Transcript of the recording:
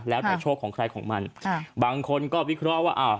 แล้วแต่โชคของใครของมันค่ะบางคนก็วิเคราะห์ว่าอ้าว